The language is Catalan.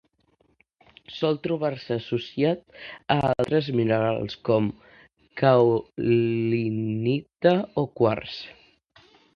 Sol trobar-se associat a altres minerals com: caolinita o quars.